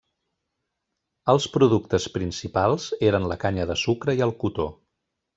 Els productes principals eren la canya de sucre i el cotó.